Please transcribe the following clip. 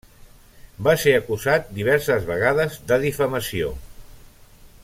Va ser acusat diverses vegades de difamació.